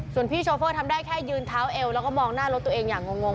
ส่วนพี่โชเฟอร์ทำได้แค่ยืนเท้าเอวแล้วก็มองหน้ารถตัวเองอย่างงง